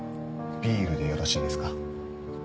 ビールでよろしいですか？